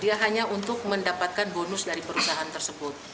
dia hanya untuk mendapatkan bonus dari perusahaan tersebut